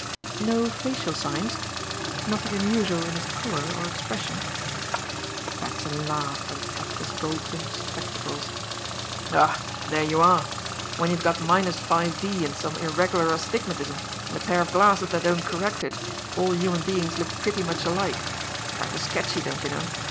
"No facial signs? Nothing unusual in his colour or expression." Batson laughed and tapped his gold rimmed spectacles. "Ah! There you are! When you've got minus five D and some irregular astigmatism and a pair of glasses that don't correct it, all human beings look pretty much alike; a trifle sketchy, don't you know.